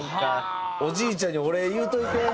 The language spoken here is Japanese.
おじいちゃんにお礼言うといて。